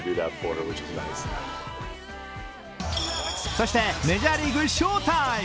そして、メジャーリーグショータイム。